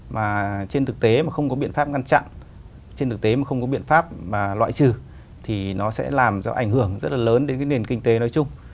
mà trên thực tế mà không có biện pháp ngăn chặn trên thực tế mà không có biện pháp mà loại trừ thì nó sẽ làm cho ảnh hưởng rất là lớn đến cái nền kinh tế nói chung